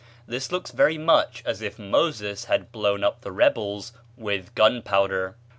This looks very much as if Moses had blown up the rebels with gunpowder.